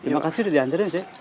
makasih udah diantarin nek